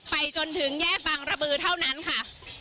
ไปจนถึงแยกบางระบือเท่านั้นค่ะ